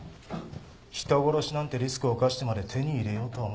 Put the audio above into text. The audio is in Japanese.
人殺しなんてリスクを冒してまで手に入れようとは思いませんって。